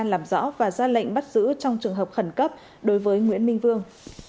làm rõ và ra lệnh bắt giữ trong trường hợp khẩn cấp đối với nguyễn minh vương